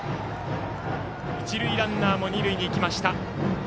一塁ランナーも二塁にいきました。